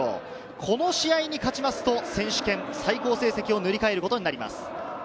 この試合に勝ちますと選手権最高成績を塗り替えることになります。